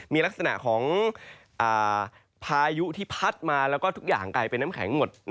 มีลักษณะของพายุที่พัดมาแล้วก็ทุกอย่างกลายเป็นน้ำแข็งหมด